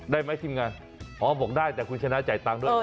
ได้ไหมทีมงานอ๋อบอกได้แต่คุณชนะจ่ายตังค์ด้วย